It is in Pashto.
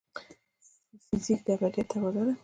فزیک د ابدیت دروازه ده.